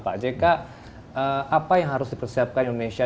pak jk apa yang harus dipersiapkan indonesia